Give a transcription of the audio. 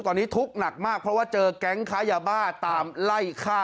ตอนนี้ทุกข์หนักมากเพราะว่าเจอแก๊งค้ายาบ้าตามไล่ฆ่า